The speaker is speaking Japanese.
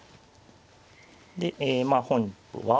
でえまあ本譜は。